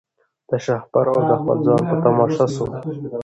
د شهپر او د خپل ځان په تماشا سو